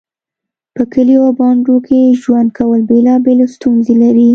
په کليو او بانډو کې ژوند کول بيلابيلې ستونزې لري